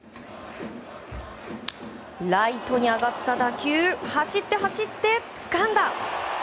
ライトに上がった打球走って、走ってつかんだ！